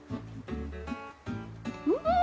うん！